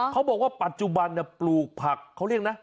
เขาบอกว่าปัจจุบันปลูกผักเขาเรียกนะ